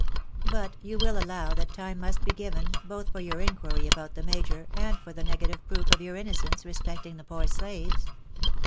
But you will allow that time must be given, both for your inquiry about the major, and for the negative proof of your innocence respecting the poor slaves.